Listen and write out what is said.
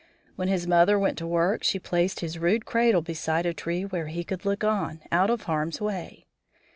When his mother went to work she placed his rude cradle beside a tree where he could look on, out of harm's way.